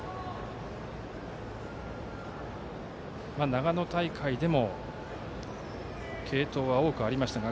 長野大会でも継投が多くありましたが。